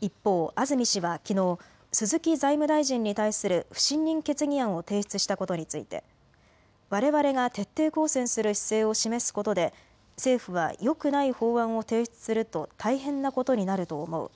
一方、安住氏はきのう鈴木財務大臣に対する不信任決議案を提出したことについてわれわれが徹底抗戦する姿勢を示すことで政府はよくない法案を提出すると大変なことになると思う。